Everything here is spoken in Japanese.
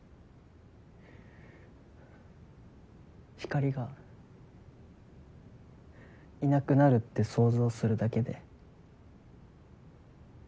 ひかりがいなくなるって想像するだけで。